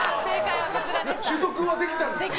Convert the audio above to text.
取得はできたんですか？